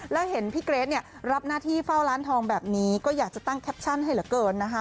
แล้วเห็นพี่เกรทเนี่ยรับหน้าที่เฝ้าร้านทองแบบนี้ก็อยากจะตั้งแคปชั่นให้เหลือเกินนะคะ